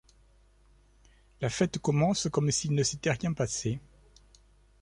La fête commence comme s’il ne s’était rien passé.